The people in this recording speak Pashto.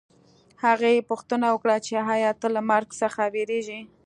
هغې پوښتنه وکړه چې ایا ته له مرګ څخه وېرېږې